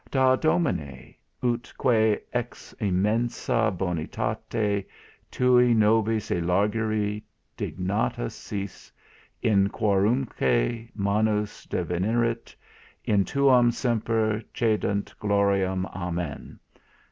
"Da, Domine, ut quæ ex immensâ bonitate tuâ nobis elargiri dignatus sis, in quorumcunque manus devenerint, in tuam semper cedant gloriam. Amen."